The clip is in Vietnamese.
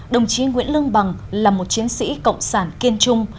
đồng chí nguyễn lương bằng là một chiến sĩ cộng sản kiên trung